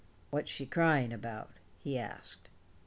"What's she crying about?" he asked.